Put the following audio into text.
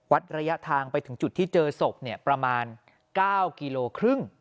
ระยะทางไปถึงจุดที่เจอศพประมาณ๙กิโลครึ่ง